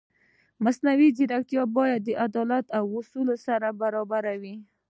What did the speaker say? مصنوعي ځیرکتیا باید د عدالت له اصولو سره برابره وي.